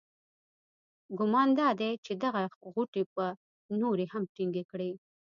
ګمان دادی چې دغه غوټې به نورې هم ټینګې کړي.